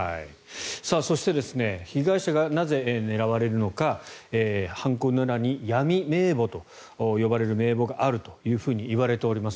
そして、被害者がなぜ狙われるのか犯行の裏に闇名簿と呼ばれる名簿があると言われております。